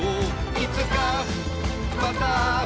「いつかまた会おう」